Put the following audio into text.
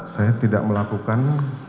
saya tidak melakukan